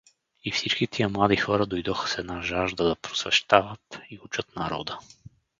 И всички тия млади хора дойдоха с една жажда да просвещават и учат народа.